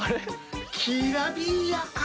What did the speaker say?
「きらびやか」